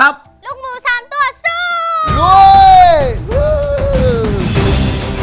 ขอบคุณค่ะ